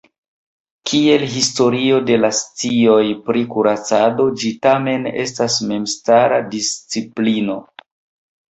Kiel historio de la scioj pri kuracado ĝi tamen estas memstara disciplino.